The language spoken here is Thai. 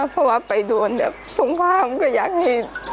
เพราะว่าไปโดนแบบสงครามก็อยากให้